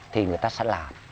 thì người ta sẽ làm